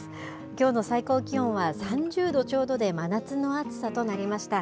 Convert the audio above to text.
きょうの最高気温は３０度ちょうどで、真夏の暑さとなりました。